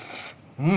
うん！